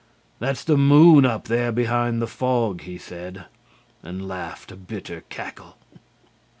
"That's the moon up there behind the fog," he said, and laughed a bitter cackle.